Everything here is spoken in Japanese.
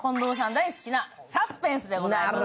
大好きなサスペンスでございます。